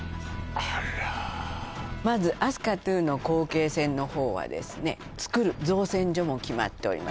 あらまず飛鳥Ⅱの後継船の方はですね造る造船所も決まっております